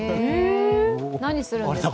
何するんですか？